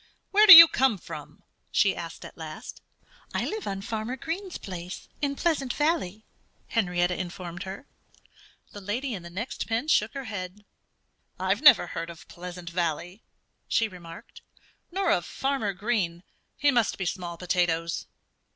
"Where do you come from?" she asked at last. "I live on Farmer Green's place, in Pleasant Valley," Henrietta informed her. The lady in the next pen shook her head. "I've never heard of Pleasant Valley," she remarked, "nor of Farmer Green. He must be small potatoes."